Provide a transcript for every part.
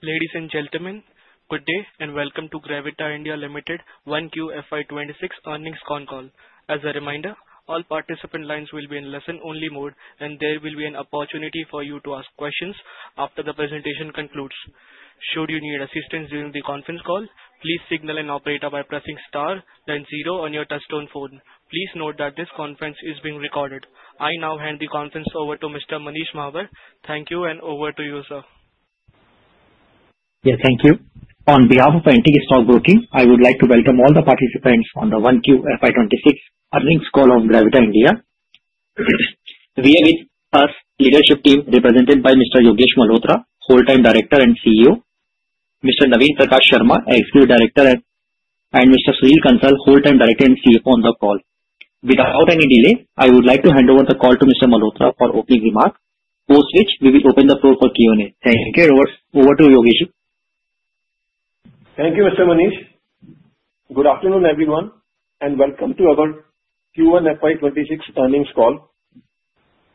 Ladies and gentlemen, good day and welcome to Gravita India Limited 1Q FY26 Earnings Con Call. As a reminder, all participant lines will be in listen only mode and there will be an opportunity for you to ask questions after the presentation concludes. Should you need assistance during the conference call, please signal an operator by pressing Star then zero on your touchstone phone. Please note that this conference is being recorded. I now hand the conference over to Mr. Manish Mahawar. Thank you. Over to you sir. Thank you. On behalf of Antique Stockbroking, I would like to welcome all the participants on the 1Q FY26 Earnings Call of Gravita India represented by Mr. Yogesh Malhotra, Whole Time Director and CEO, Mr. Naveen Prakash Sharma, Executive Director, and Mr. Sunil Kansal, Full Time Director and CFO. On the call, without any delay, I would like to hand over the call to Mr. Malhotra for opening remarks, post which we will open the floor for Q&A. Thanks. Okay, over to you. Thank you, Mr. Manish. Good afternoon everyone and welcome to our Q1 FY26 earnings call.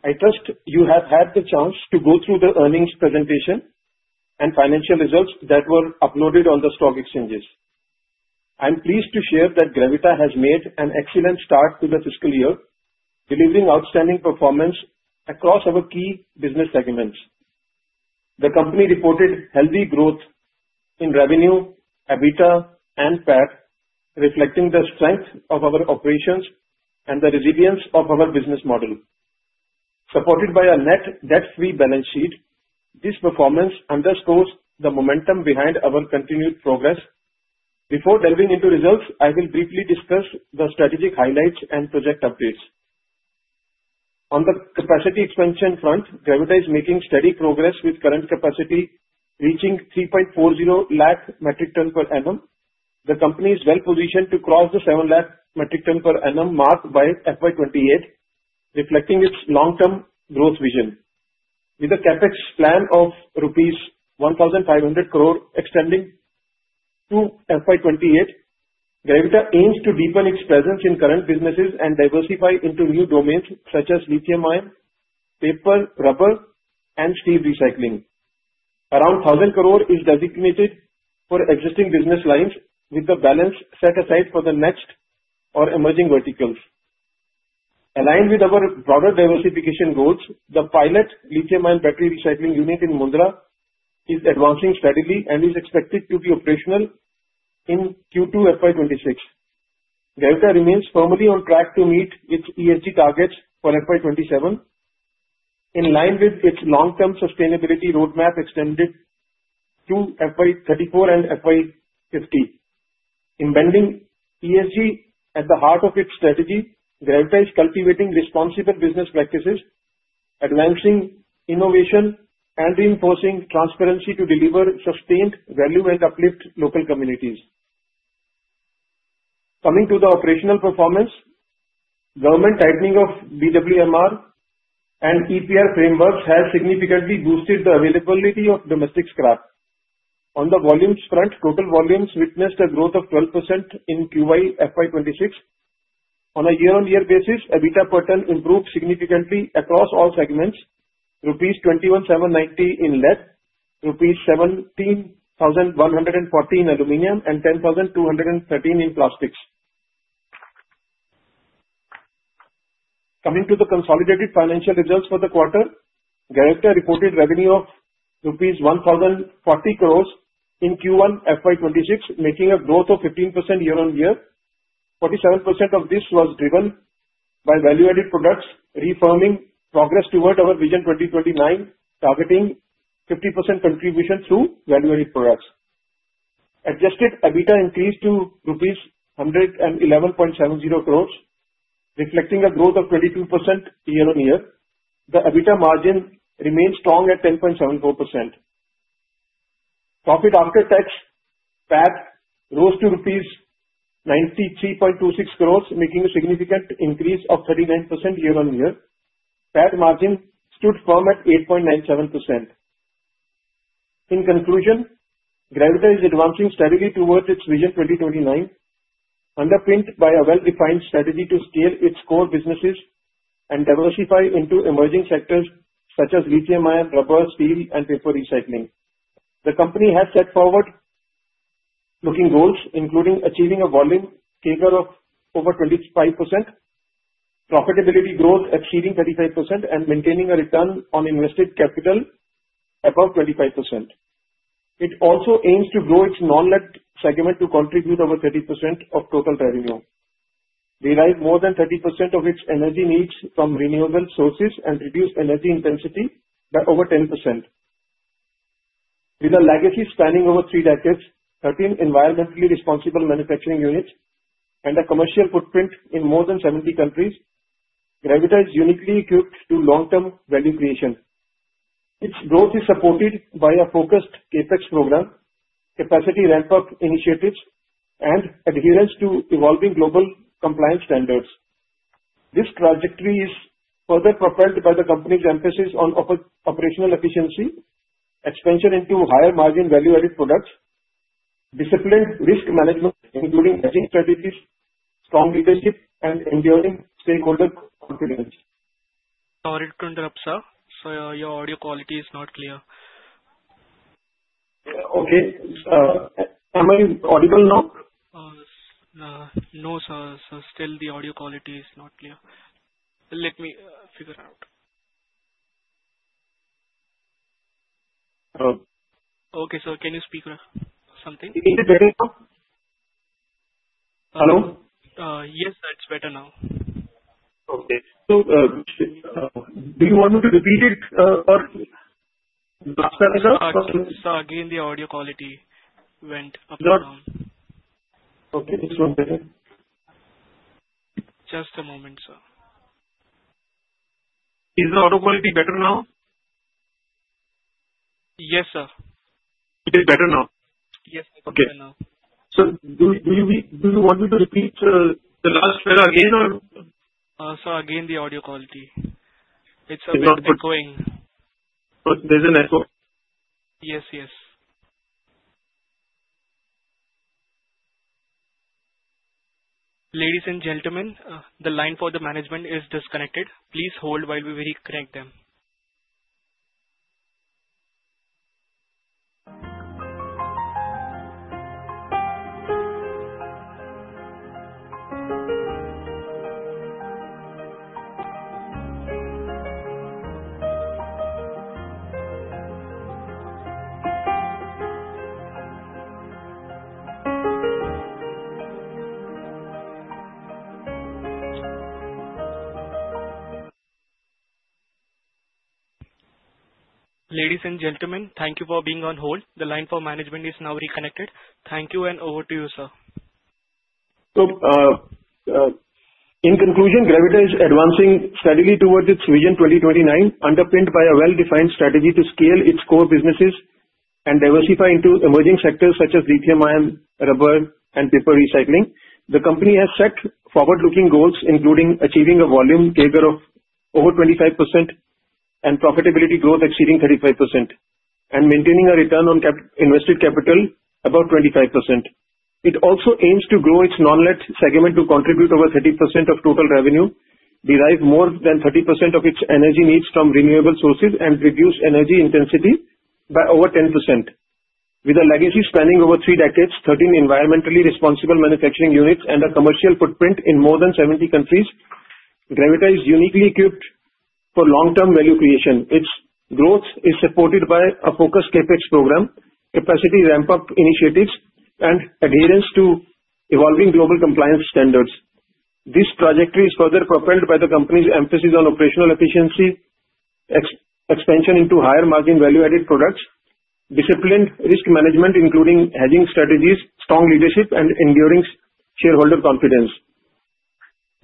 I trust you have had the chance to go through the earnings presentation and financial results that were uploaded on the stock exchanges. I'm pleased to share that Gravita has made an excellent start to the fiscal year, delivering outstanding performance across our key business segments. The company reported healthy growth in revenue, EBITDA, and PAT, reflecting the strength of our operations and the resilience of our business model supported by a net debt-free balance sheet. This performance underscores the momentum behind our continued progress. Before delving into results, I will briefly discuss the strategic highlights and project updates on the capacity expansion front. Gravita is making steady progress with current capacity reaching 3.40 lakh metric ton per annum. The company is well positioned to cross the 7 lakh metric ton per annum mark by FY28, reflecting its long term growth vision. With a capex plan of rupees 1,500 crores extending to FY28, Gravita aims to deepen its presence in current businesses and diversify into new domains such as lithium-ion, paper, rubber, and steel recycling. Around 1,000 crores is designated for existing business lines with the balance set aside for the next or emerging verticals aligned with our broader diversification goals. The pilot lithium-ion battery recycling unit in Mundra is advancing steadily and is expected to be operational in Q2 FY26. Gravita remains firmly on track to meet its ESG targets for FY27 in line with its long term sustainability roadmap extended to FY34 and FY50, embedding ESG at the heart of its strategy. Gravita is cultivating responsible business practices, advancing innovation, and reinforcing transparency to deliver sustained value and uplift local communities. Coming to the operational performance. Government tightening of BWMR and EPR frameworks has significantly boosted the availability of domestic scrap. On the volumes front, total volumes witnessed a growth of 12% in Q1 FY26. On a year-on-year basis EBITDA per ton improved significantly across all segments: rupees 21,790 in lead, rupees 17,140 in aluminum, and 10,213 in plastics. Coming to the consolidated financial results for the quarter, Gravita India Limited reported revenue of INR 1,040 crores in Q1 FY26, making a growth of 15% year-on-year. 47% of this was driven by value-added products, reaffirming progress toward our VISION 2029 targeting 50% contribution through value-added products. Adjusted EBITDA increased to rupees 111.70 crores, reflecting a growth of 22% year-on-year. The EBITDA margin remains strong at 10.74%. Profit after tax rose to rupees 93.26 crores, making a significant increase of 39% year-on-year. PAT margin stood firm at 8.97%. In conclusion, Gravita is advancing steadily towards its VISION 2029, underpinned by a well-defined strategy to scale its core businesses and diversify into emerging sectors such as lithium-ion, rubber, steel, and paper recycling. The company has set forward-looking goals including achieving a volume CAGR of over 25%, profitability growth exceeding 35%, and maintaining a return on invested capital above 25%. It also aims to grow its non-lead segment to contribute over 30% of total revenue, derive more than 30% of its energy needs from renewable sources, and reduce energy intensity by over 10%. With a legacy spanning over three decades, 13 environmentally responsible manufacturing units, and a commercial footprint in more than 70 countries, Gravita is uniquely equipped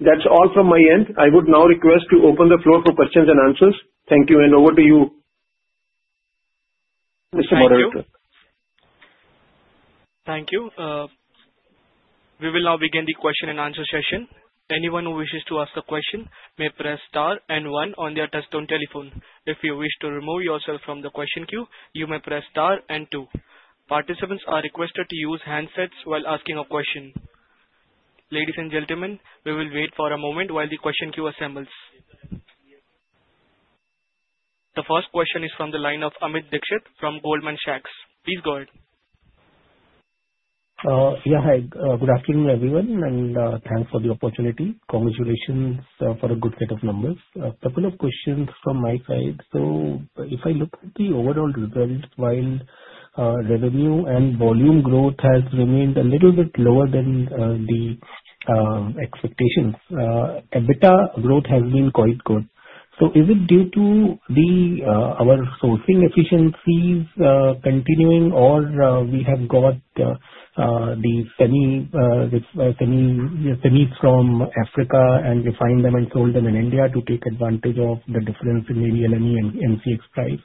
That's all from my end. I would now request to open the floor for questions and answers. Thank you. Over to you, Mr. Moderator. Thank you. We will now begin the question and answer session. Anyone who wishes to ask a question may press star and one on their telephone. If you wish to remove yourself from the question queue, you may press star and two. Participants are requested to use handsets while asking a question. Ladies and gentlemen, we will wait for a moment while the question queue assembles. The first question is from the line of Amit Dixit from Goldman Sachs. Please go ahead. Yeah, hi. Good afternoon everyone and thanks for the opportunity. Congratulations for a good set of numbers. A couple of questions from my side. If I look at the overall results, while revenue and volume growth has remained a little bit lower than the expectations, EBITDA growth has been quite good. Is it due to our sourcing efficiencies continuing or have we got the semis from Africa and refined them and sold them in India to take advantage of the difference in LME and MCX price?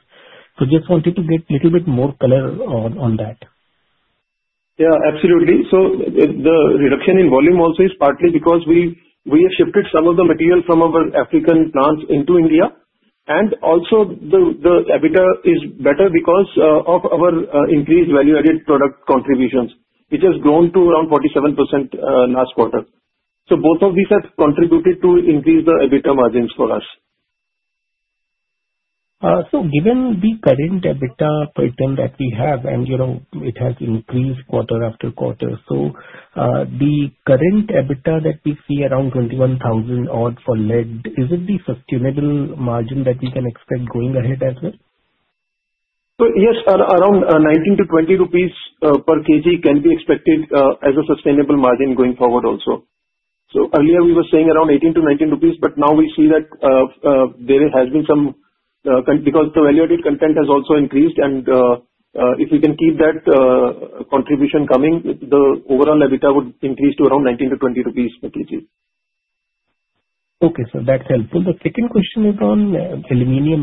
I just wanted to get a little bit more color on that. Yeah, absolutely. The reduction in volume also is partly because we have shifted some of the material from our African plants into India. Also, the EBITDA is better because of our increased value-added product contributions, which has grown to around 47% last quarter. Both of these have contributed to increase the EBITDA margins for us. Given the current EBITDA pattern that we have, and it has increased quarter-after-quarter, the current EBITDA that we see around 21,000 odds for lead, is it the sustainable margin that we can expect going ahead as well? Yes, around 19 to 20 rupees per kg can be expected as a sustainable margin going forward also. Earlier we were saying around 18 to 19 rupees, but now we see that there has been some increase because the value-added content has also increased, and if we can keep that contribution coming, the overall EBITDA would increase to around 19 to 20 rupees per kg. That's helpful. The second question is on aluminum.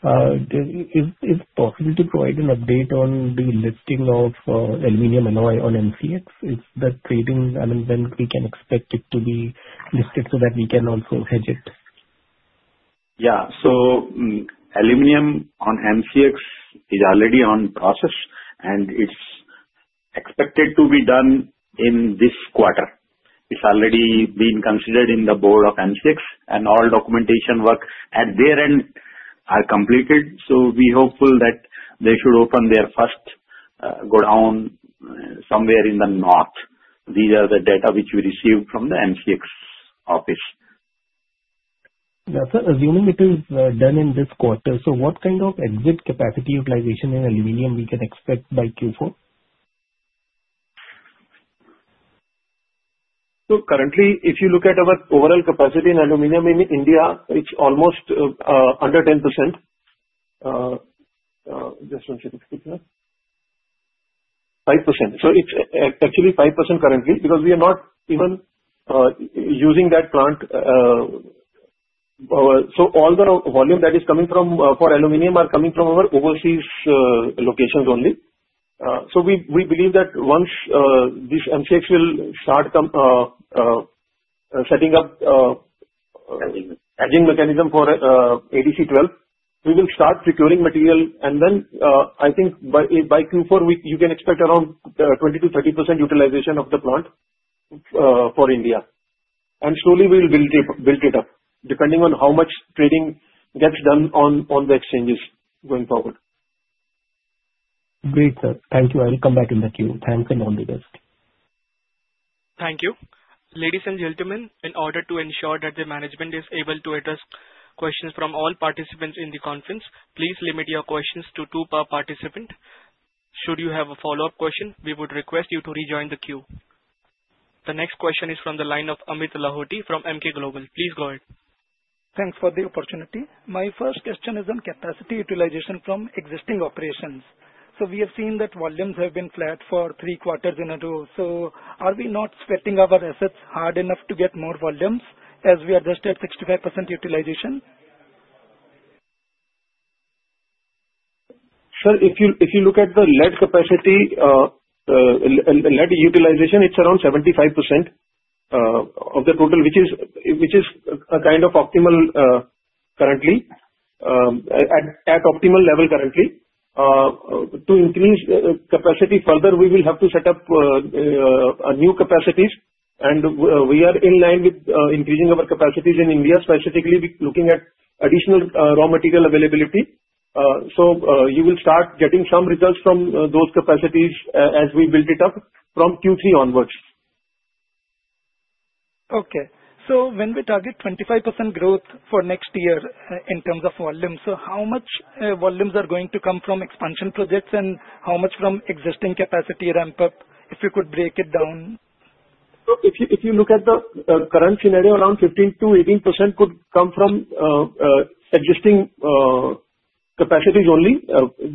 Is it possible to provide an update on the listing of aluminum alloy on MCX? Is that trading, I mean, when can we expect it to be listed so that we can also hedge it? Yeah, so aluminum on MCX is already in process and it's expected to be done in this quarter. It's already been considered in the board of MCX and all documentation works at their end are completed. We are hopeful that they should open their first go down somewhere in the north. These are the data which we received from the MCX office. Assuming it is done in this quarter, what kind of exit capacity utilization in aluminum can we expect by Q4? Currently, if you look at our overall capacity in aluminum in India, it's almost under 10%, just 5%. It's actually 5% currently because we are not even using that plant. All the volume that is coming for aluminum is coming from our overseas locations only. We believe that once this MCX will start come setting up engine mechanism for ADC12, we will start procuring material and then I think by Q4, you can expect around 20%-30% utilization of the plant for India and slowly we'll build it up depending on how much trading gets done on the exchanges going forward. Great sir. Thank you. I will come back in the queue. Thanks and all the best. Thank you. Ladies and gentlemen, in order to ensure that the management is able to address questions from all participants in the conference, please limit your questions to two per participant. Should you have a follow up question, we would request you to rejoin the queue. The next question is from the line of Amit Lahoti from Emkay Global. Please go ahead. Thanks for the opportunity. My first question is on capacity utilization from existing operations. We have seen that volumes have been flat for three quarters in a row. Are we not sweating our assets hard enough to get more volumes as we are just at 65% utilization? If you look at the lead capacity and the lead utilization, it's around 75% of the total, which is a kind of optimal. Currently at optimal level, currently to increase capacity further we will have to set up new capacities. We are in line with increasing our capacities in India specifically looking at additional raw material availability. You will start getting some results from those capacities as we build it up from Q3 onwards. Okay, when we target 25% growth for next year in terms of volume, how much volumes are going to come from expansion projects and how much from existing capacity ramp up if you could break it down? If you look at the current scenario, around 15%-18% could come from existing capacities only.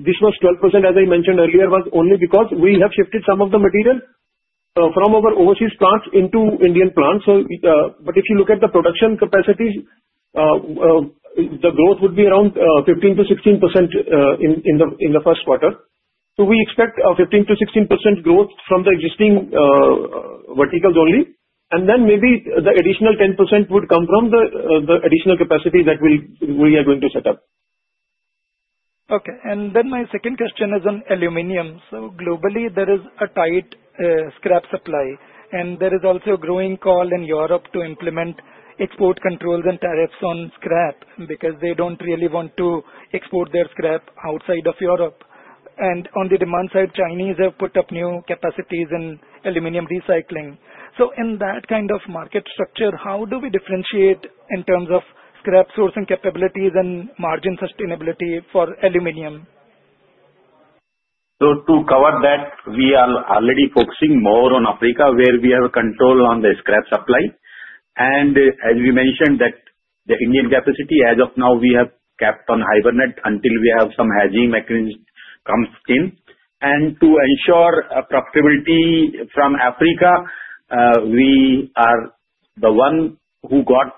This was 12% as I mentioned earlier, only because we have shifted some of the material from our overseas plants into Indian plants. If you look at the production capacities, the growth would be around 15%-16% in the first quarter. We expect 15%-16% growth from the existing verticals only, and maybe the additional 10% would come from the additional capacity that we are going to set up. Okay, and then my second question is on aluminum. Globally there is a tight scrap supply. There is also a growing call in Europe to implement export controls and tariffs on scrap because they don't really want to export their scrap outside of Europe. On the demand side, Chinese have put up new capacities in aluminum recycling. In that kind of market structure, how do we differentiate in terms of scrap sourcing capabilities and margin sustainability for aluminum? To cover that, we are already focusing more on Africa where we have control on the scrap supply. As we mentioned, the Indian capacity as of now we have kept on hibernate until we have some hedging mechanism comes in. To ensure profitability from Africa, we are the one who got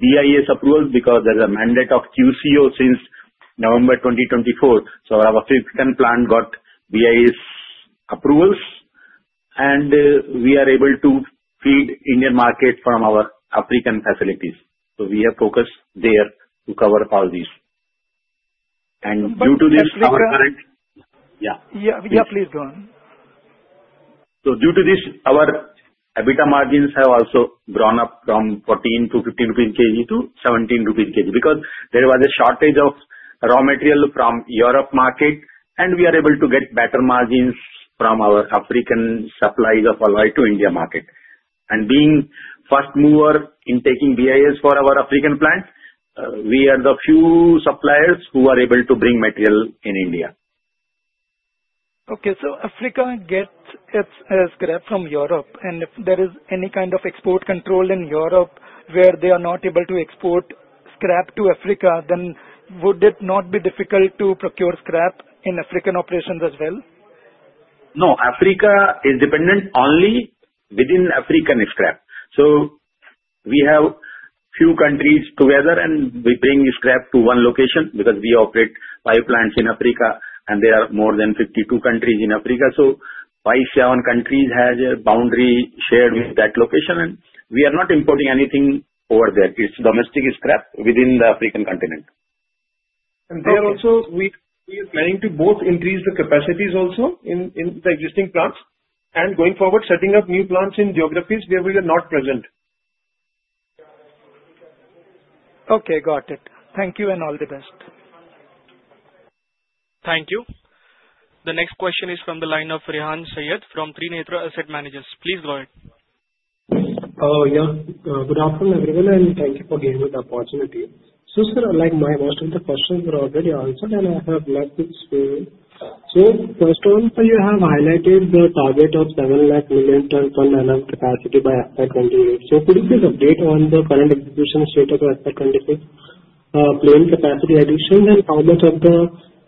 BIS approvals because there's a mandate of QCO since November 2024. Our African plant got BIS approvals and we are able to feed Indian market from our African facilities. We have focused there to cover all these, and due to this. Yeah, yeah, please go on. Due to this, our EBITDA margins have also grown up from 14 to 15 rupees per kg to 17 rupees per kg because there was a shortage of raw material from the Europe market, and we are able to get better margins from our African supplies of alloy to the India market. Being the first mover in taking BIS approvals for our African plant, we are the few suppliers who are able to bring material into India. Okay, so Africa gets its scrap from Europe, and if there is any kind of export control in Europe where they are not able to export scrap to Africa, would it not be difficult to procure scrap in African operations as well? No, Africa is dependent only within African scrap. We have few countries together and we bring scrap to one location because we operate five plants in Africa and there are more than 52 countries in Africa. Five, seven countries have a boundary shared with that location and we are not importing anything over there. It's domestic scrap within the African continent. There also we are planning to both increase the capacities in the existing plants and, going forward, setting up new plants in geographies where we are not present. Okay, got it. Thank you and all the best. Thank you. The next question is from the line of Rehan Saiyyed from Trinetra Asset Managers. Please go ahead. Good afternoon everyone and thank you for giving me the opportunity. My first was already answered and I have left it. You have highlighted the target of 7 million metric ton capacity, could you please update on the current execution, state of planned capacity additions, and how much of the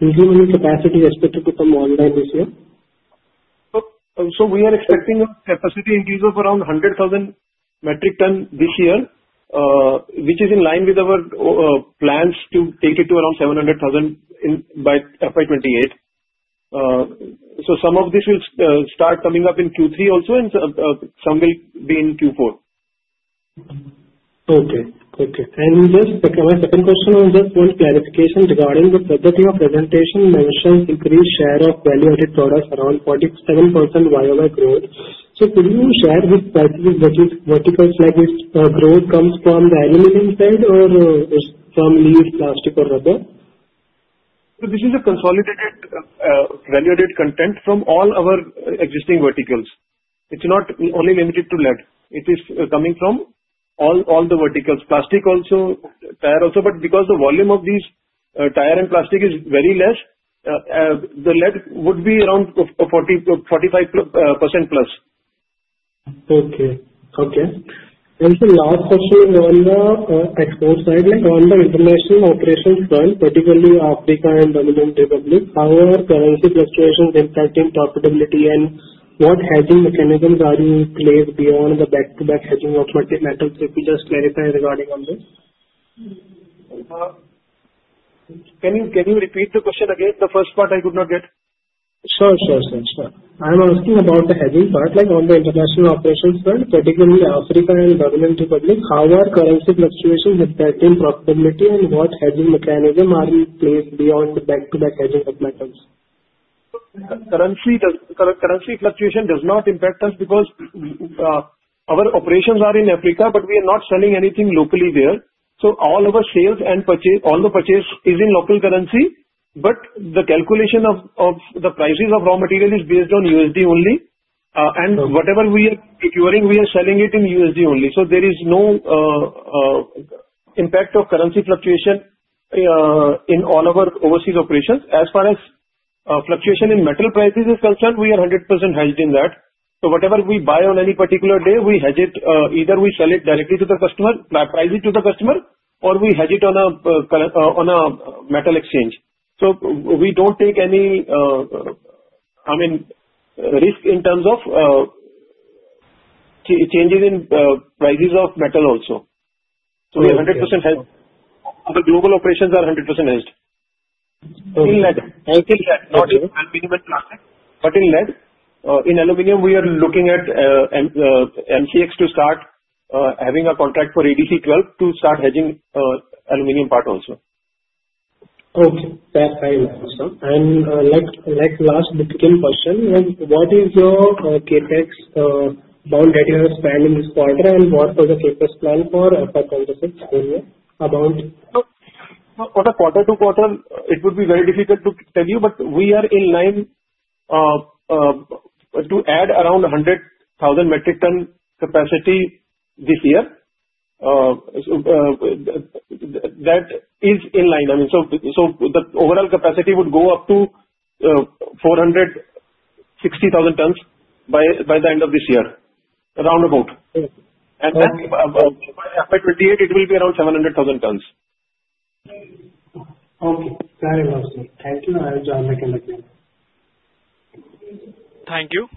resumed capacity is expected to come online this year? We are expecting a capacity increase of around 100,000 metric ton this year, which is in line with our plans to take it to around 700,000 by FY2028. Some of this will start coming up in Q3 and some will be in Q4. Okay. Okay. Just my second question on this, one clarification regarding the property of presentation measurements. Increased share of value of the product around 47% YoY growth. Could you share with specific verticals, like this growth comes from the aluminum side or is from lead, plastic, or rubber? This is a consolidated value-added content from all our existing verticals. It's not only limited to lead, it is coming from all the verticals, plastic also, tire also. Because the volume of these tire and plastic is very less, the lead would be around 40%-45%+. Okay, okay. Particularly Africa and Dominican Republic. However, current profitability and what having mechanical value place beyond the back-to-back shopping of multiple? Just clarify regarding on this. Can you repeat the question again? The first part I could not get. I'm asking about the hedging part, like on the international operations front, particularly the Africa and higher currency fluctuation with the same profitability and what hedging mechanism are we placed beyond back-to-back hedgings? Currency fluctuation does not impact us because our operations are in Africa, but we are not selling anything locally there. All our sales and purchase, all the purchase is in local currency, but the calculation of the prices of raw material is based on USD only. Whatever we are procuring, we are selling it in USD only. There is no impact of currency fluctuation in all of our overseas operations. As far as fluctuation in metal prices is concerned, we are 100% hedged in that. Whatever we buy on any particular day, we hedge it. Either we sell it directly to the customer, price it to the customer, or we hedge it on a metal exchange. We don't take any risk in terms of changes in prices of metal also. We have 100% the global operations are 100% certain, less in aluminum. We are looking at MCX contracts to start having a contract for ADC12 to start hedging aluminum part also. I'd like to ask questions. What is your capex bound that you have spent in this point and what was the capex plan for quarter-to-quarter? It would be very difficult to tell you, but we are in line to add around 100,000 metric ton capacity this year. That is in line. The overall capacity would go up to 460,000 tons by the end of this year. Roundabout by FY28, it will be around 700,000 tons. Okay, thank you. Thank you.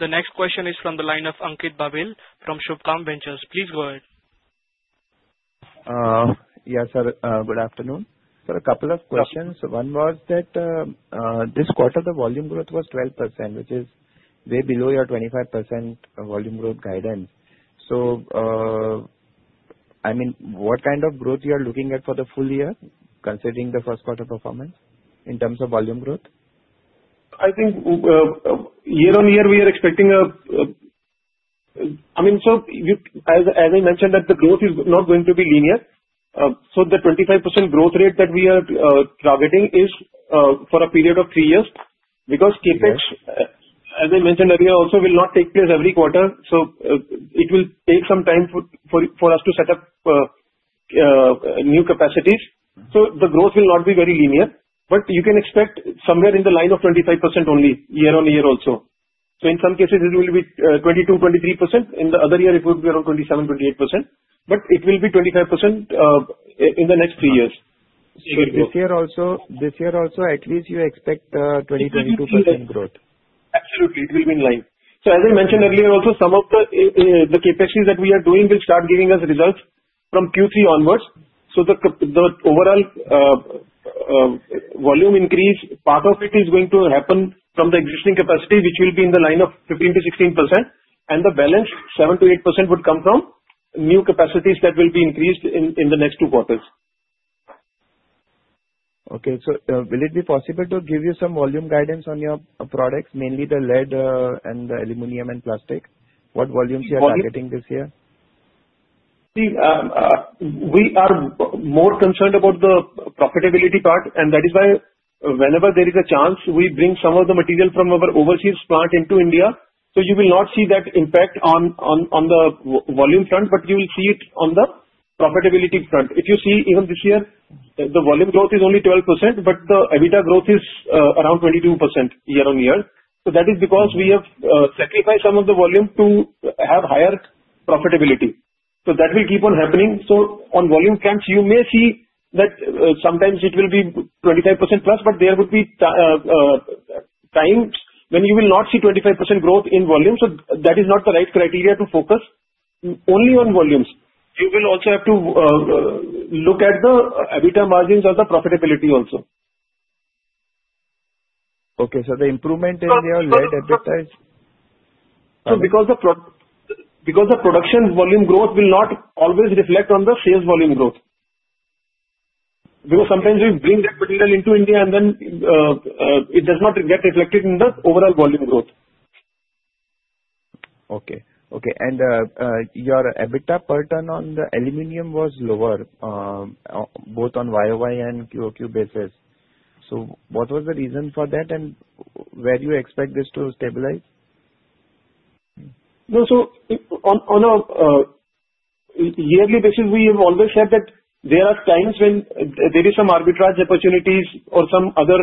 The next question is from the line of Ankit Babel from Subhkam Ventures. Please go ahead. Yes sir. Good afternoon. A couple of questions. One was that this quarter the volume growth was 12% which is way below your 25% volume growth guidance. What kind of growth are you looking at for the full year considering the first quarter performance in terms of volume growth? I think year-on-year we are expecting a. As I mentioned, the growth is not going to be linear. The 25% growth rate that we are targeting is for a period of three years because capex, as I mentioned earlier, also will not take place every quarter. It will take some time for us to set up new capacities. The growth will not be very linear, but you can expect somewhere in the line of 25% only year-on-year also. In some cases it will be 22%, 23%. In the other year it would be around 27%, 28%, but it will be 25% in the next three years. This year also, at least you expect 20%, 22% growth. Absolutely, it will be in line. As I mentioned earlier, some of the capacities that we are doing will start giving us results from Q3 onwards. The overall volume increase part of it is going to happen from the existing capacity which will be in the line of 15%-16% and the balance 7%-8% would come from new capacities that will be increased in the next two. Okay, will it be possible to give you some volume guidance on your products? Mainly the lead and the aluminum and plastic, what volumes are you targeting this year? We are more concerned about the profitability part and that is why whenever there is a chance we bring some of the material from our overseas plant into India. You will not see that impact on the volume turn, but you will see it on the profitability front. If you see even this year, the volume growth is only 12% but the EBITDA growth is around 22% year-on-year. That is because we have sacrificed some of the volume to have higher profitability. That will keep on happening. On volume camps you may see that sometimes it will be 25%+, but there would be times when you will not see 25% growth in volume. That is not the right criteria to focus only on volumes. You will also have to look at the EBITDA margins or the profitability also. Okay, the improvement in your lead advertise. Because the production volume growth will not always reflect on the sales volume growth because sometimes we bring material into India and then it does not get reflected in the overall volume growth. Okay, okay. Your EBITDA per ton on the aluminum was lower both on YoY and QoQ basis. What was the reason for that and where do you expect this to stabilize? On a yearly basis, we have always said that there are times when there are some arbitrage opportunities or some other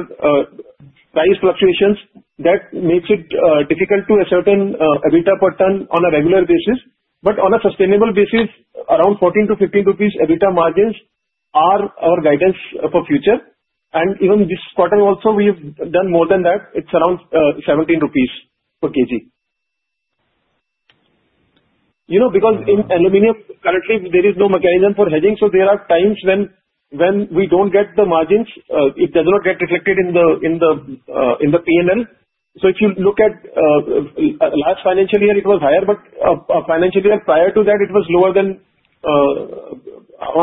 price fluctuations that make it difficult to ascertain EBITDA per ton on a regular basis. On a sustainable basis, around 14 to 15 rupees per kg margins are our guidance for future. Even this quarter also we have done more than that. It's around 17 rupees per kg. In aluminum currently there is no mechanism for hedging. There are times when we don't get the margins, it does not get reflected in the P&L. If you look at last financial year, it was higher, but the financial year prior to that it was lower. I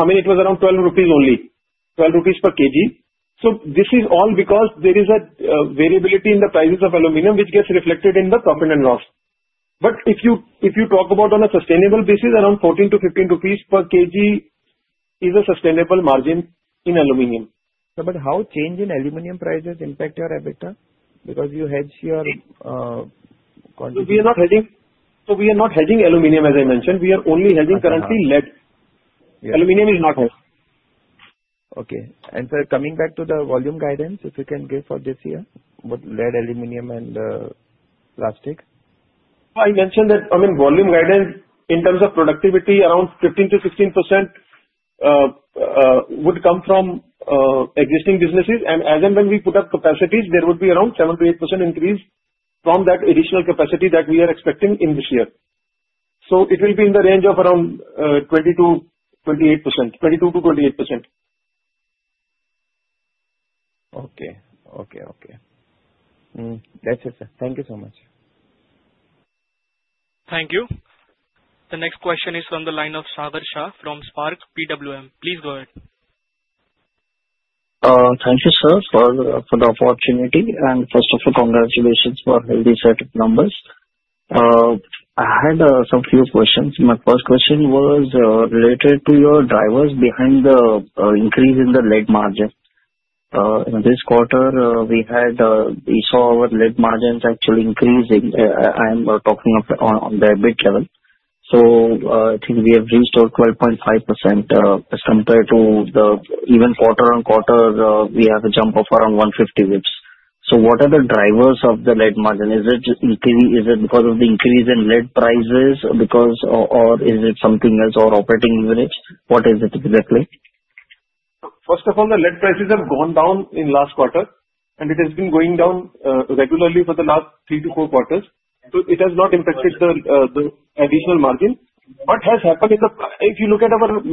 mean, it was around 12 rupees, only 12 rupees per kg. This is all because there is a variability in the prices of aluminum which gets reflected in the component loss. If you talk about on a sustainable basis, around 14 to 15 per kg is a sustainable margin in aluminum. How does change in aluminum prices impact your EBITDA because you hedge your— We are not hedging aluminum. As I mentioned, we are only hedging currency. Lead, aluminum is not. Coming back to the volume guidance, if you can give for this year with lead, aluminum and plastic? I mentioned that volume guidance in terms of productivity, around 15%--16% would come from existing businesses, and as and when we put up capacities, there would be around 7%-8% increase from that additional capacity that we are expecting in this year. It will be in the range of around 22%-28%. Okay. Okay. Okay, that's it. Thank you so much. Thank you. The next question is from the line of Sagar Shah from Spark PWM. Please go ahead. Thank you sir for the opportunity and first of all congratulations for healthy set of numbers. I had some few questions. My first question was related to your drivers behind the increase in the lead margin this quarter we had. We saw our lead margins actually increasing. I am talking that big level. I think we have reached out 12.5% as compared to the even quarter-on-quarter we have a jump of around 150 bps. What are the drivers of the lead margin? Is it because of the increase in lead prices or is it something else or operating? What is it exactly? First of all the lead prices have gone down in last quarter and it has been going down regularly for the last three to four quarters. It has not impacted the additional margin. What has happened is if you look at our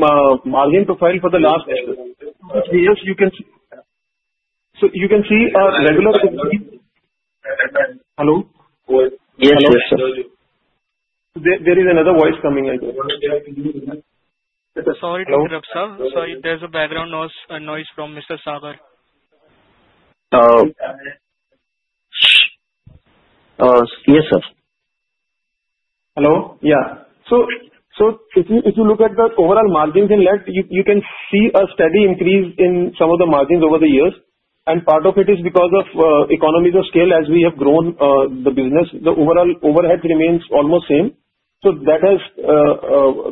margin profile for the last, you can see. You can see a level of. Hello, there is another voice coming. Sorry, there's a background noise. Noise from Mr. Sagar. Yes, sir. Hello. If you look at the overall margins in lead, you can see a steady increase in some of the margins over the years. Part of it is because of economies of scale. As we have grown the business, the overall overhead remains almost the same. That has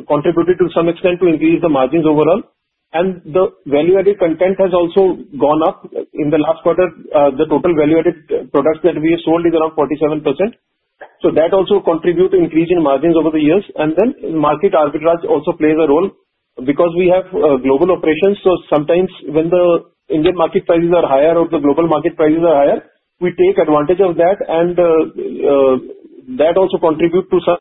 contributed to some extent to increase the margins overall. The value-added content has also gone up in the last quarter. The total value-added products that we sold is around 47%. That also contributes to the increase in margins over the years. Market arbitrage also plays a role because we have global operations. Sometimes when the Indian market prices are higher or the global market prices are higher, we take advantage of that and that also contributes to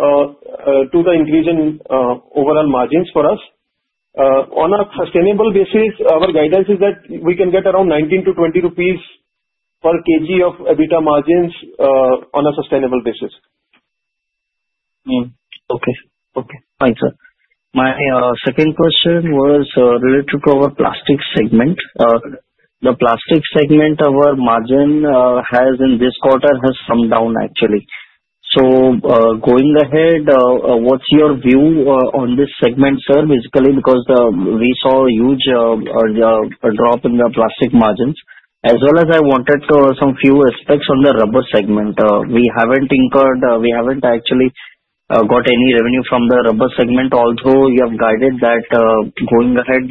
the increase in overall margins for us on a sustainable basis. Our guidance is that we can get around 19 to 20 rupees per kg of EBITDA margins on a sustainable basis. Okay, thanks sir. My second question was related to our plastic segment. The plastic segment, our margin in this quarter has come down actually. Going ahead, what's your view on this segment? Sir, basically because we saw a huge drop in the plastic margins as well as I wanted some aspects on the rubber segment. We haven't actually got any revenue from the rubber segment. Although you have guided that going ahead,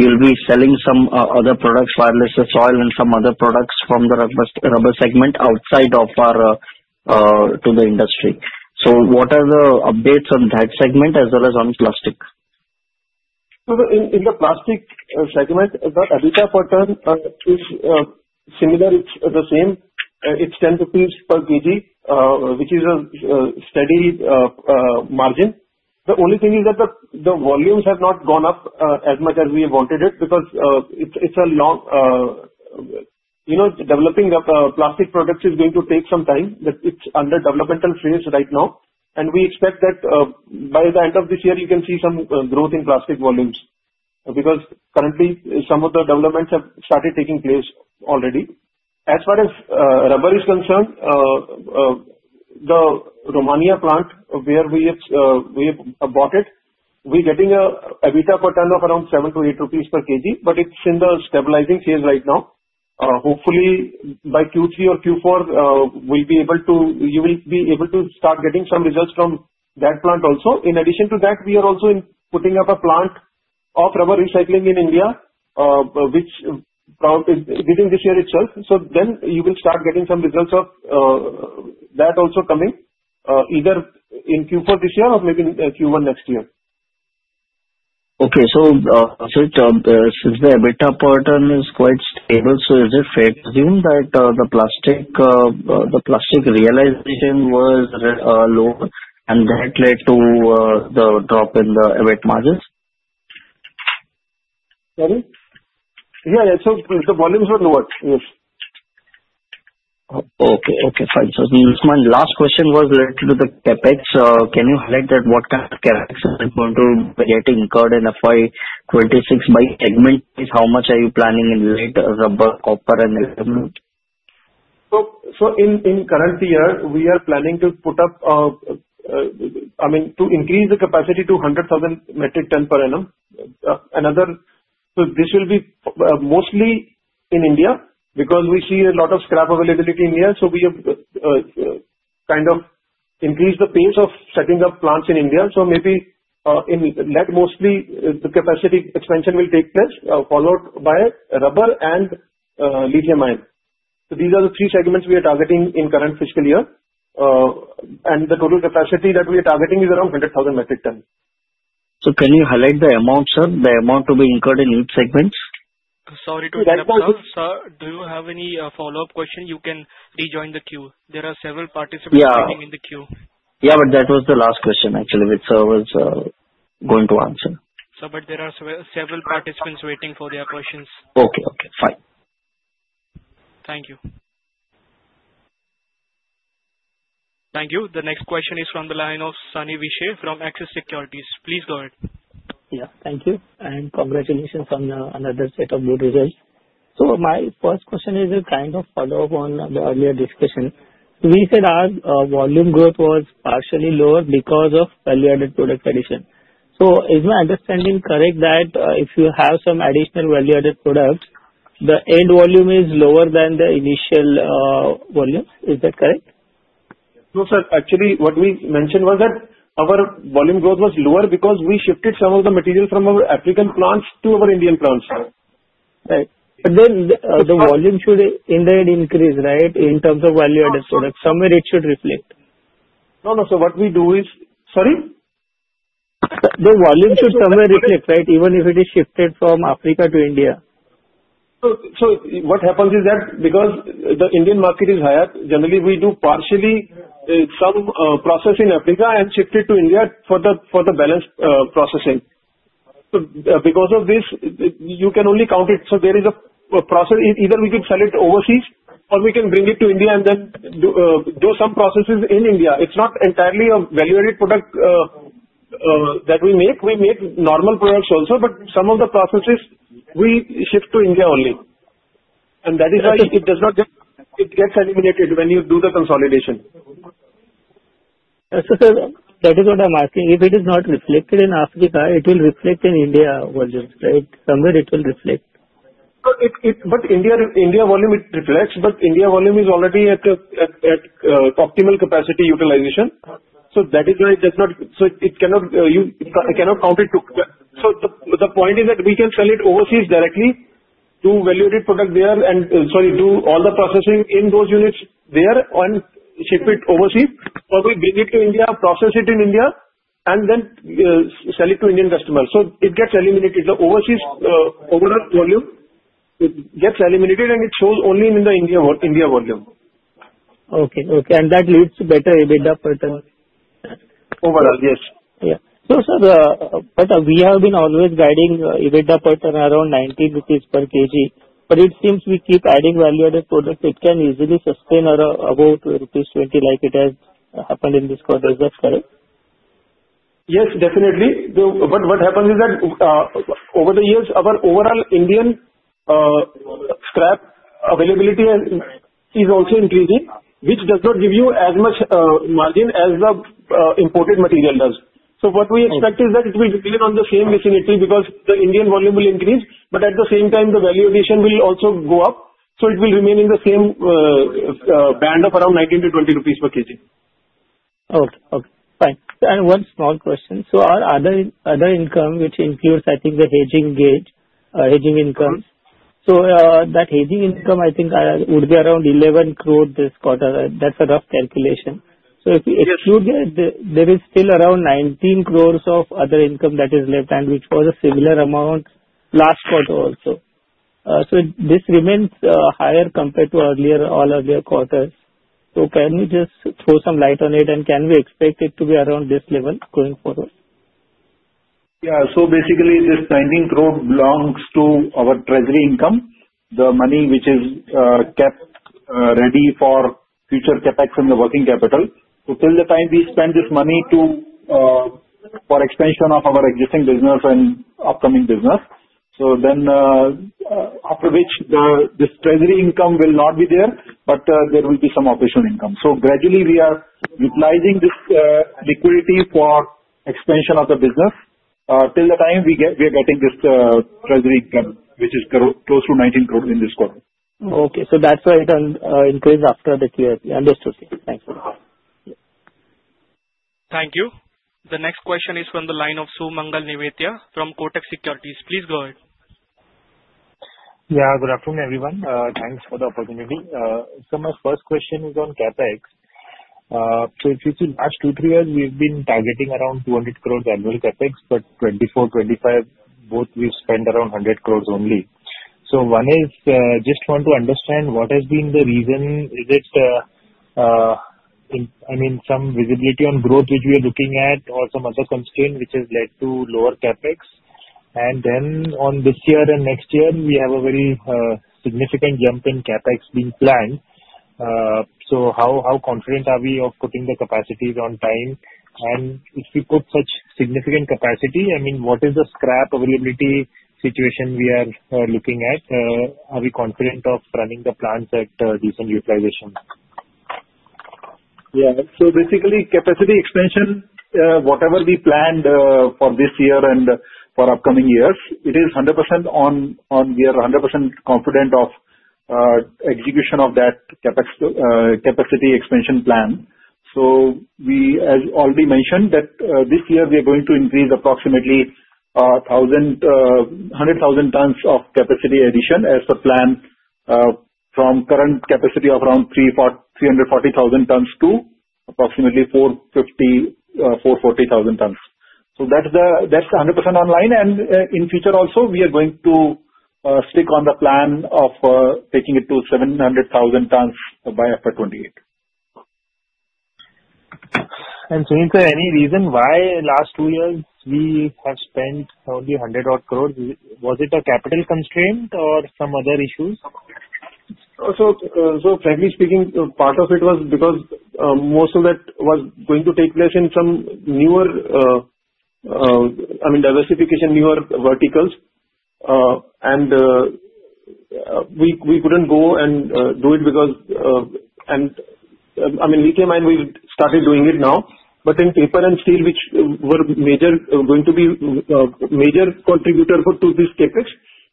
you'll be selling some other products, wireless, soil, and some other products from the rubber segment outside of our to the industry. What are the updates on that segment as well as on plastic? In the plastic segment, it's the same. It's 10 rupees per kg which is a steady margin. The only thing is that the volumes have not gone up as much as we wanted because developing plastic products is going to take some time. It's under developmental phase right now and we expect that by the end of this year you can see some growth in plastic volumes because currently some of the developments have started taking place already. As far as rubber is concerned, the Romania plant where we have bought it, we're getting an EBITDA per ton of around 7 to 8 rupees per kg. It's in the stabilizing phase right now. Hopefully by Q3 or Q4 you'll be able to start getting some results from that plant also. In addition to that, we are also putting up a plant of rubber recycling in India, which will be within this year itself. You will start getting some results of that also coming either in Q4 this year or maybe Q1 next year. Okay, so since the EBITDA pattern is quite stable, is it fair to assume that the plastic realization was low and that led to the drop in the weight margins? Sorry. Yeah, so the volumes were lower. Okay, fine. My last question was related to the capex. Can you highlight that? What kind of capex is going to get incurred in FY26, by how much are you planning rubber, copper? In the current year we are planning to put up, I mean to increase the capacity to 100,000 metric tons per annum. This will be mostly in India because we see a lot of scrap availability here. We kind of increase the pace of setting up plants in India. In that, mostly the capacity expansion will take place, followed by rubber and lithium-ion. These are the three segments we are targeting in the current fiscal year. The total capacity that we are targeting is around 100,000 metric tons. Can you highlight the amount, sir? The amount to be incurred in each segment. Sorry. Sir, do you have any follow up question? You can rejoin the queue. There are several participants in the queue. Yeah, that was the last question actually which I was going to answer. There are several participants waiting for their questions. Okay, okay, fine. Thank you. Thank you. The next question is from the line of Sani Vishe from Axis Securities. Please go ahead. Yeah, thank you. Congratulations on another set of good results. My first question is a kind of follow up on the earlier discussion. We said our volume growth was partially lower because of value-added product addition. Is my understanding correct that if you have some additional value-added products, the end volume is lower than the initial volumes, is that correct? No, sir, actually what we mentioned was that our volume growth was lower because we shifted some of the material from our African plants to our Indian plants. Right. The volume should indeed increase, right? In terms of value-added products, somewhere it should reflect. No, no. What we do is, sorry? The volume should somewhere reflect, right? Even if it is shifted from Africa to India? What happens is that because the Indian market is higher, generally we do partially some process in Africa and shift it to India for the balance processing. Because of this, you can only count it. There is a process. Either we can sell it overseas or we can bring it to India and then do some processes in India. It's not entirely a value-added product that we make. We make normal products also, but some of the processes we shift to India only. That is why it does not just, it gets eliminated when you do the consolidation. That is what I'm asking. If it is not reflected in Africa, it will reflect in India volumes, right? Somewhere it will reflect. India volume, it reflects. But India volume is already at optimal capacity utilization. That is why it does not. I cannot count it. The point is that we can sell it overseas directly to value-added product there and, sorry, do all the processing in those units there, then ship it overseas, or we bring it to India, process it in India, and then sell it to Indian customers. It gets eliminated. The overseas overall volume gets eliminated and it shows only in the India volume. Okay. That leads to better EBITDA per? Overall. Yes. Sir, we have been always guiding EBITDA per around 19 rupees per kg, but it seems we keep adding value-added products. It can easily sustain or about rupees 20 like it has happened in this quarter. Is that correct? Yes, definitely. What happens is that over the years our overall Indian scrap availability is also increasing, which does not give you as much margin as the imported material does. What we expect is that it will depend on the same machine in Italy because the Indian volume will increase, but at the same time the valuation will also go up. It will remain in the same band of around 19 to 20 rupees per kg. Okay, fine. One small question. Our other income, which includes, I think, the hedging income. That hedging income, I think, would be around 11 crores this quarter. That's a rough calculation. There is still around 19 crores of other income that is left, which was a similar amount last quarter also. This remains higher compared to all earlier quarters. Can you just throw some light on it, and can we expect it to be around this level going forward? Yeah. Basically, this amount belongs to our treasury income. The money is kept ready for future capex on the working capital until the time we spend this money for extension of our existing business and upcoming business. After that, this treasury income will not be there, but there will be some operational income. Gradually, we are utilizing this liquidity for expansion of the business. Till the time we are getting this treasury, which is close to 19 crores in this quarter. Okay. That's why it increased after the QIP and associate. Thanks. Thank you. The next question is from the line of Sumangal Nevatia from Kotak Securities. Please go ahead. Yeah, good afternoon everyone, thanks for the opportunity. My first question is on capex. If you see, last two, three years we've been targeting around 200 crores annual capex, but FY24, FY25 both we spent around 100 crores only. One is, just want to understand what has been the reason. Is it, I mean, some visibility on growth which we are looking at or some other constraint which has led to lower capex? Then, on this year and next year, we have a very significant jump in capex being planned. How confident are we of putting the capacities on time? If we put such significant capacity, what is the scrap availability situation we are looking at? Are we confident of running the plants at decent utilization? Yeah, so basically, capacity expansion, whatever we planned for this year and for upcoming years, it is 100% on. We are 100% confident of execution of that capacity expansion plan. As already mentioned, this year we are going to increase approximately 100,000 tons of capacity addition as the plan, from current capacity of around 340,000 tons to approximately 440,000 tons. That's 100% online, and in future also we are going to stick on the plan of taking it to 700,000 tons by FY28. Any reason why last two years we have spent the 100 odd crores? Was it a capital constraint or some other issues? Frankly speaking, part of it was because most of that was going to take place in some newer, I mean, diversification, newer verticals, and we couldn't go and do it because, I mean, lithium-ion we started doing it now, but in paper and steel, which were going to be major contributors to this capex,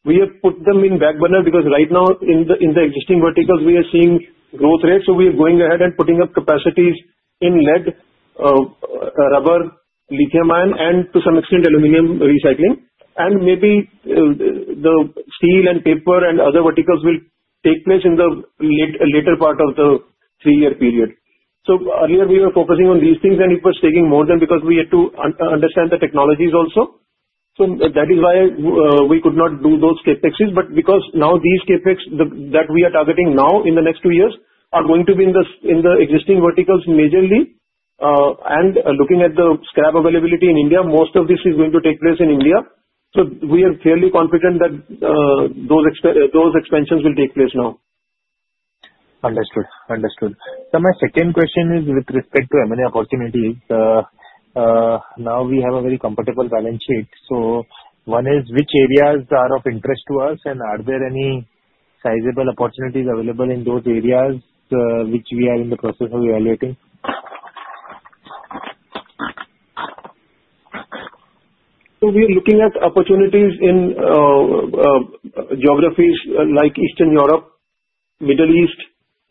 we have put them on the back burner. Right now, in the existing verticals, we are seeing growth rates, so we are going ahead and putting up capacities in lead, rubber, lithium-ion, and to some extent aluminum recycling. Maybe the steel and paper and other verticals will take place in the later part of the three-year period. Earlier, we were focusing on these things, and it was taking more time because we had to understand the technologies also. That is why we could not do those capexes, but now these capex that we are targeting in the next two years are going to be in the existing verticals, majorly, and looking at the scrap availability in India, most of this is going to take place in India. We are fairly confident that those expansions will take place now. Understood. Understood. My second question is with respect to M&A opportunity. Now we have a very comfortable balance sheet. One is which areas are of interest to us and are there any sizable opportunities available in those areas which we are in the process of evaluating. We are looking at opportunities in geographies like Eastern Europe, Middle East,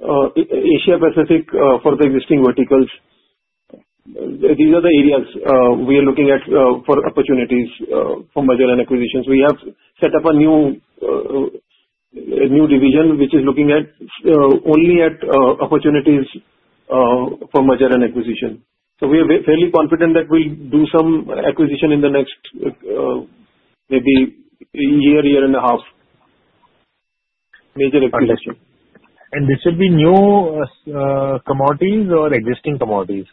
Asia Pacific for the existing verticals. These are the areas we are looking at for opportunities for merger and acquisitions. We have set up a new division which is looking only at opportunities for merger and acquisition. We are fairly confident that we'll do some acquisition in the next maybe a year, year and a half. There should be new commodities or existing commodities?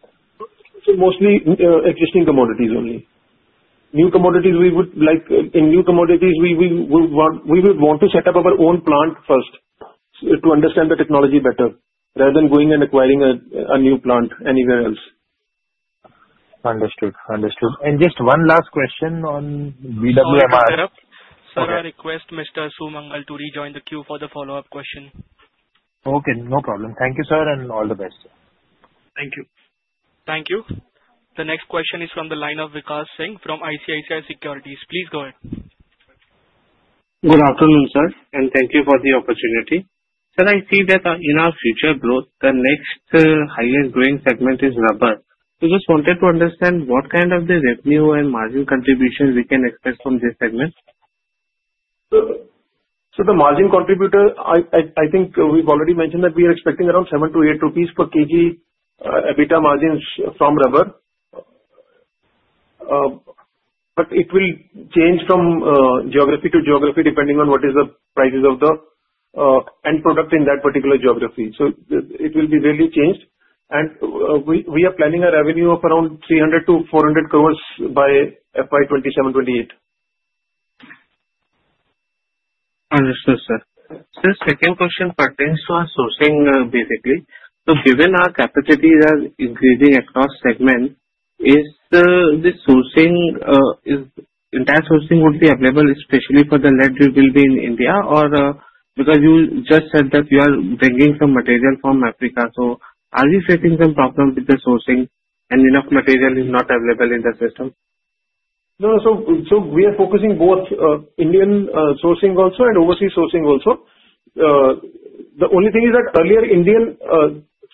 Mostly existing commodities. Only in new commodities we would want to set up our own plant first to understand the technology better rather than going and acquiring a new plant anywhere else. Understood. Understood. Just one last question on BWMR. Request Mr. Sumangal to rejoin the queue for the follow-up question. Okay, no problem. Thank you, sir. All the best. Thank you. Thank you. The next question is from the line of Vikash Singh from ICICI Securities. Please go ahead. Good afternoon sir, and thank you for the opportunity. Sir, I see that in our future growth the next highest growing segment is rubber. Just wanted to understand what kind of the revenue and margin contribution we can expect from this segment? The margin contributor, I think we've already mentioned that we are expecting around 7 to 8 rupees per kg margins from rubber, but it will change from geography to geography depending on what is the prices of the end product in that particular geography. It will really change. We are planning a revenue of around 300 to 400 crores by FY27, FY28. Understood sir. Since second question pertains to our sourcing basically, given our capacities are increasing across segment, is the sourcing, is entire sourcing, would be available especially for the lead rebuilding India or because you just said that you are bringing some material from Africa? Are you facing some problem with the sourcing and enough material is not available in the system? No. We are focusing both Indian sourcing also and overseas sourcing also. The only thing is that earlier Indian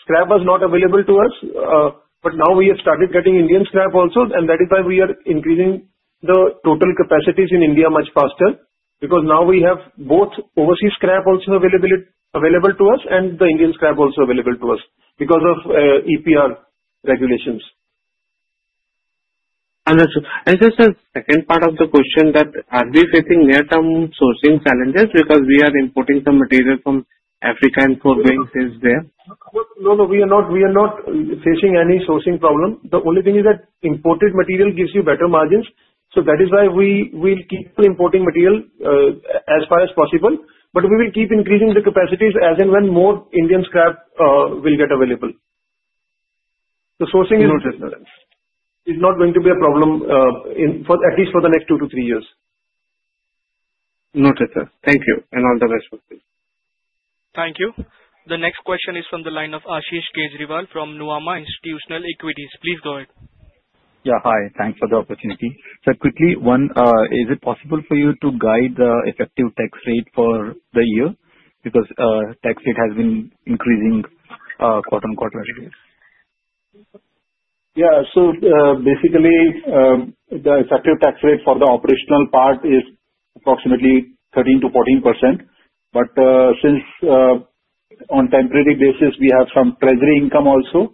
scrap was not available to us, but now we have started getting Indian scrap also. That is why we are increasing the total capacities in India much faster, because now we have both overseas scrap also available to us and the Indian scrap also available to us because of EPR regulations. This is the second part of the question, that are we facing near term sourcing challenges because we are importing some material from Africa and for being since there? No, we are not. We are not facing any sourcing problem. The only thing is that imported material gives you better margins. That is why we will keep importing material as far as possible, but we will keep increasing the capacities as and when more Indian scrap will get available. The sourcing is not going to be a problem, at least for the next two to three years. Notice that. Thank you and all the best. Thank you. The next question is from the line of Ashish Kejriwal from Nuvama Institutional Equities. Please go ahead. Yeah. Hi, thanks for the opportunity. One, is it possible for you to guide the effective tax rate for the year? because tax rate has been increasing, quote unquote reserves. Basically, the effective tax rate for the operational part is approximately 13%-14%. Since on temporary basis we have some treasury income also,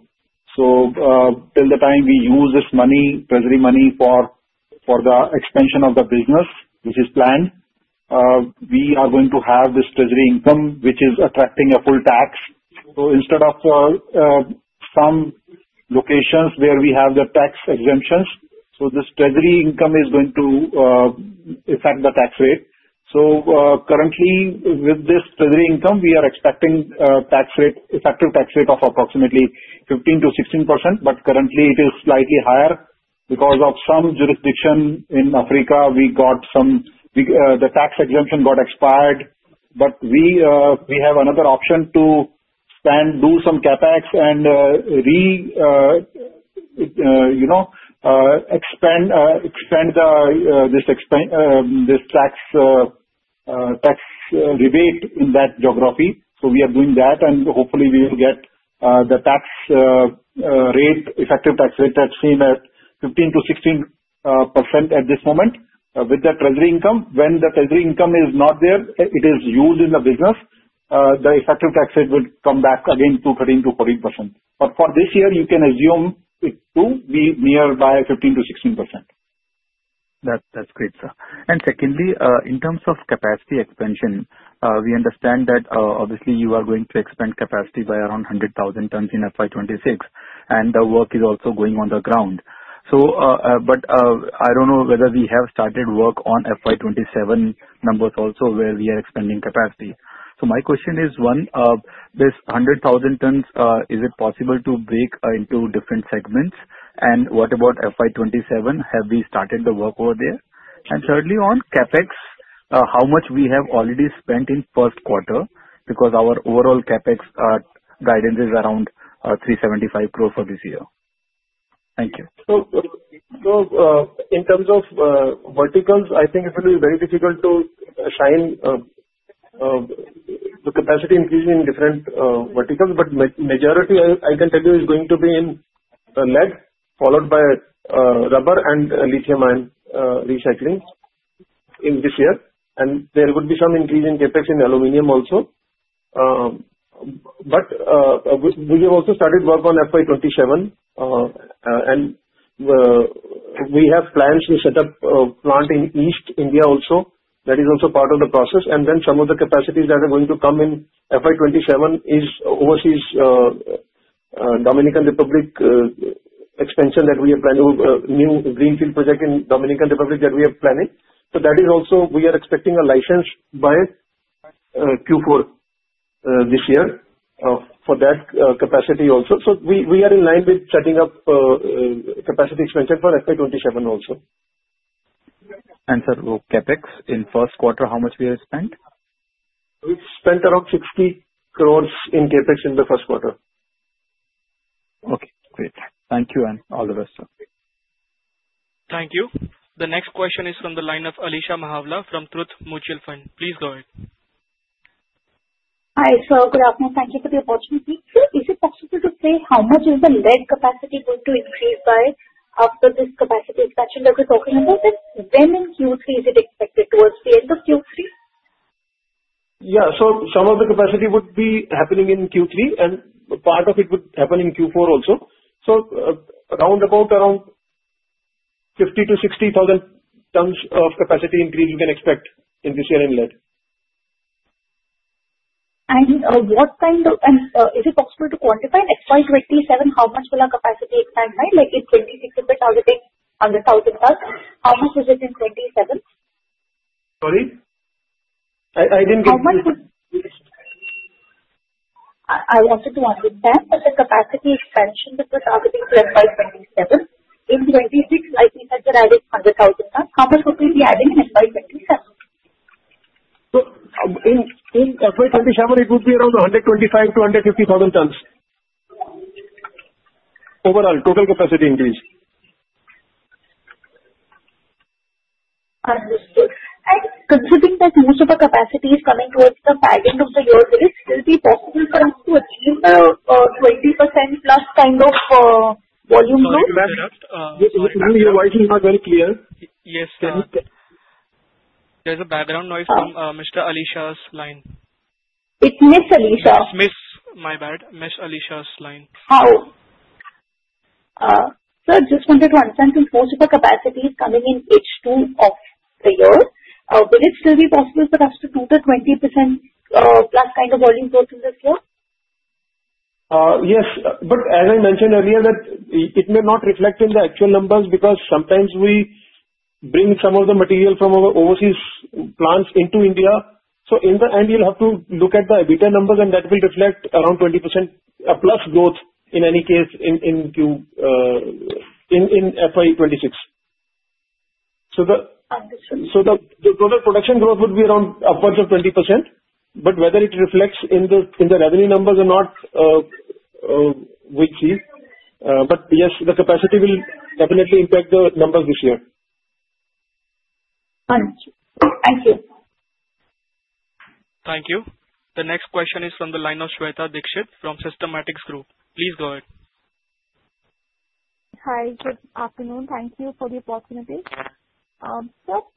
till the time we use this money, treasury money for the expansion of the business which is planned, we are going to have this treasury income which is attracting a full tax. Instead of some locations where we have the tax exemptions, this treasury income is going to affect the tax rate. Currently, with this treasury income, we are expecting effective tax rate of approximately 15%-16%. Currently it is slightly higher because of some jurisdiction in Africa. The tax exemption got expired, but we have another option to spend, do some capex and expand this tax rebate in that geography. We are doing that and hopefully we will get the effective tax rate at 15%-16% at this moment with the treasury income. When the treasury income is not there, it is used in the business, the effective tax rate will come back again to 13%-14%. For this year you can assume it to be nearby 15%-16%. That's great sir. Secondly, in terms of capacity expansion, we understand that you are going to expand capacity by around 100,000 tons in FY26 and the work is also going on the ground. I don't know whether we have started work on FY27 numbers also where we are expanding capacity. My question is, this 100,000 tons, is it possible to break into different segments? What about FY27? Have we started the work over there? Thirdly, on capex, how much have we already spent in first quarter because our overall capex guidance is around 375 crores for this year? Thank you. In terms of verticals, I think it will be very difficult to assign the capacity increasing in different verticals. Majority I can tell you is going to be in lead followed by rubber and lithium-ion recyclings in this year. There would be some increase in capex in aluminum also. We have also started work on FY27 and we have plans to set up a plant in East India also. That is also part of the process. Some of the capacities that are going to come in FY27 is overseas Dominican Republic expansion that we have planned. New greenfield project in Dominican Republic that we are planning. That is also we are expecting a license by Q4 this year for that capacity also. We are in line with setting up capacity expansion for FY27 also. capex in first quarter, how much we have spent? Spent around 60 crores in capex in the first quarter. Great, thank you and all the best. Thank you. The next question is from the line of Alisha Mahawla from TRUST Mutual Fund. Please go ahead. Hi sir, good afternoon. Thank you for the opportunity. Is it possible to say how much is the lead capacity going to increase by after this capacity when in Q3? Is it expected towards the end of Q3? Yeah. Some of the capacity would be happening in Q3, and part of it would happen in Q4 also. Around 50,000 to 60,000 tons of capacity increase you can expect in this year inlet. I mean, what kind of, is it possible to quantify for FY27 how much will our capacity expand? Right, like if 2026 bit, are you taking on the south, how much is it in 2027? Sorry, I didn't. I wanted to understand capacity expansion. In FY27 it would be around 125,000 to 150,000 tons overall total capacity increase. Considering that most of the capacity is coming with the pace of the year, it's still possible for us to achieve the 20%+ kind of volume? Your voice is not very clear. Yes, there's a background noise from Mr. Alisha's line. It Ms. Alisha. My bad. Ms. Alisha's line. Just wanted to understand, to most of the capacity coming in each day of the year, would it still be possible for us to do 20%+ kind of volume growth in the floor? Yes, as I mentioned earlier, it may not reflect in the actual numbers because sometimes we bring some of the material from our overseas plants into India. In the end, you'll have to look at the EBITDA numbers, and that will reflect around 20% plus growth in any case in FY26. The total production growth would be upwards of 20%. Whether it reflects in the revenue numbers or not, we'll see. Yes, the capacity will definitely impact the numbers this year. Thank you. Thank you. The next question is from the line of Shweta Dikshit from Systematix Group. Please go ahead. Hi, good afternoon. Thank you for the opportunity.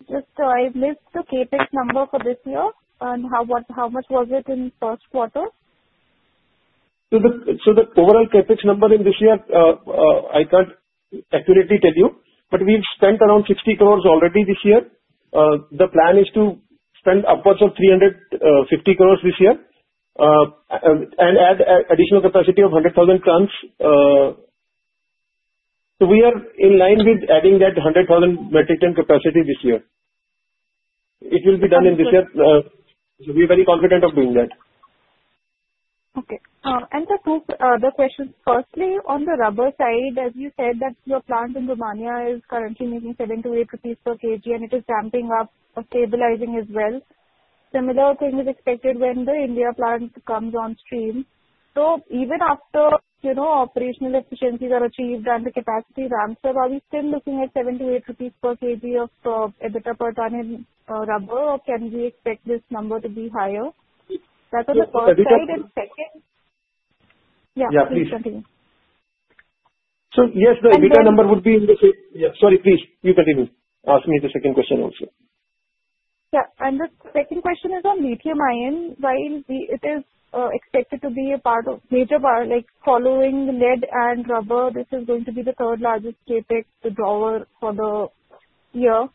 Just I've listed the cadence number for this year and how much was it in the first quarter? The overall capex number in this year I can't accurately tell you, but we've spent around 60 crores already this year. The plan is to spend upwards of 350 crores this year and add additional capacity of 100,000 metric tons. We are in line with adding that 100,000 metric ton capacity this year. It will be done in this year, so we're very confident of doing that. Okay, and the two other questions, firstly on the rubber side, as you said that your plant in Romania is currently making 7 to 8 rupees per kg and it is ramping up, stabilizing as well. Similar thing is expected when the India plant comes on stream. Even after operational efficiencies are achieved and the capacity ramps up, are we still looking at 7 rupees to 8 rupees per kg of EBITDA per ton in rubber? Can we expect this number to be higher? Yes, the emitter number would be in the, sorry, please, you continue. Ask me the second question also. Yeah, and the second question is on lithium-ion. While we, it is expected to be a part of major bar like following the lead and rubber. This is going to be the third largest capex drawer for the year.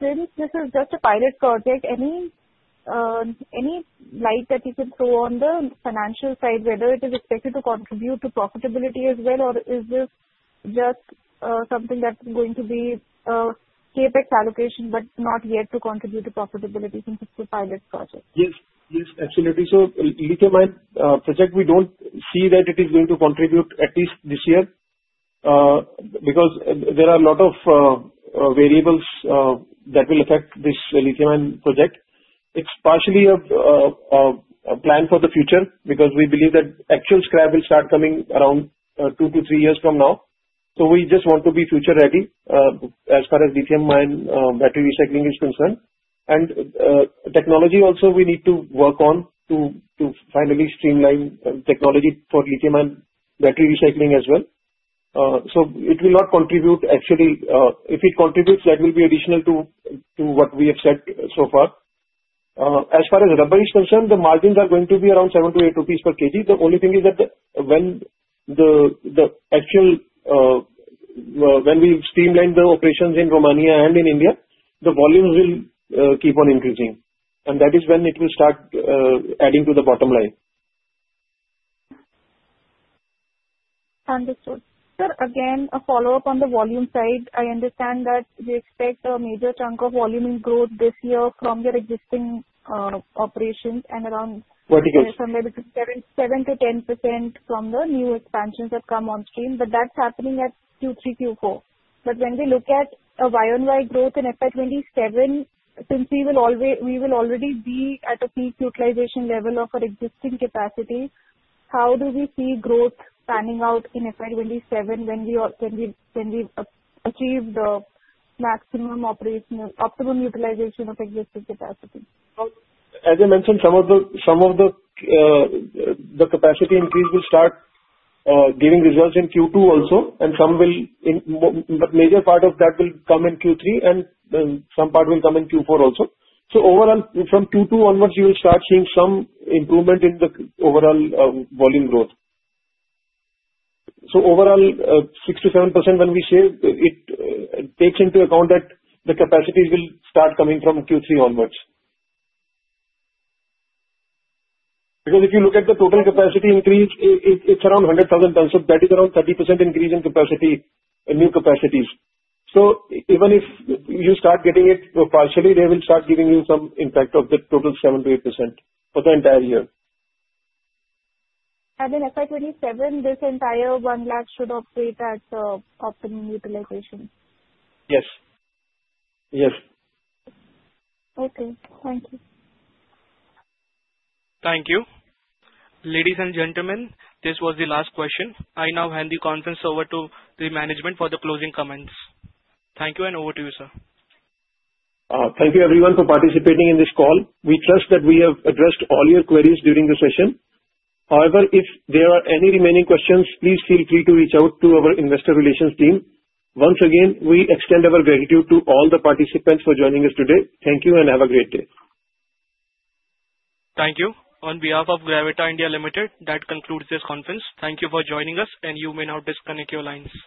Since this is just a pilot project, any light that you can throw on the financial side, whether it is expected to contribute to profitability as well or is this just something that's going to be capex allocation but not yet to contribute to profitability? Yes, yes, absolutely. Lithium and project, we don't see that it is going to contribute at least this year because there are a lot of variables that will affect this lithium-ion project. It's partially a plan for the future because we believe that actual scrap will start coming around two to three years from now. We just want to be future ready as far as lithium-ion battery recycling is concerned, and technology also we need to work on to finally streamline technology for lithium-ion battery recycling as well. It will not contribute. Actually, if it contributes, that will be additional to what we have said so far. As far as concerned, the margins are going to be around 7 to 8 rupees per kg. The only thing is that when we streamline the operations in Romania and in India, the volumes will keep on increasing and that is when it will start adding to the bottom line. Understood, sir. Again, a follow-up on the volume side. I understand that we expect a major chunk of volume growth this year from the existing operations and around 7%-10% from the new expansions that come on stream. That's happening at Q3, Q4. When we look at YoY growth in FY27, we will already be at a peak utilization level of our existing capacity. How do we see growth panning out in FY27 when we achieve the maximum operational optimum utilization of existing capacity? As I mentioned, the capacity increase will start giving results in Q2 also. Some will, in major part, come in Q3 and then some part will come in Q4 also. Overall, from Q2 onwards you will start seeing some improvement in the overall volume growth. Overall, 6%-7% when we say it takes into account that the capacities will start coming from Q3 onwards. If you look at the total capacity increase, it's around 100,000. That is around 30% increase in capacity in new capacities. Even if you start getting it partially, they will start giving you some impact of the total 7%-8% for the entire year. In FY27, this entire 1 lakh should operate at optimum utilization? Yes. Yes. Okay, thank you. Thank you. Ladies and gentlemen, this was the last question. I now hand the conference over to the management for the closing comments. Thank you, and over to you, sir. Thank you everyone for participating in this call. We trust that we have addressed all your queries during the session. However, if there are any remaining questions, please feel free to reach out to our investor relations team. Once again, we extend our gratitude to all the participants for joining us today. Thank you and have a great day. Thank you. On behalf of Gravita India Limited, that concludes this conference. Thank you for joining us. You may now disconnect your lines.